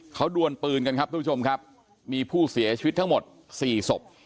เขาดวนปืนกันครับทุกผู้ชมครับมีผู้เสียชีวิตทั้งหมด๔ศพ